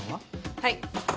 はい。